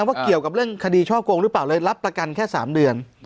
ว่าเกี่ยวกับเรื่องคดีช่อกงหรือเปล่าเลยรับประกันแค่๓เดือน